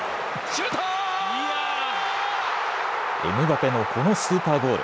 エムバペのこのスーパーゴール。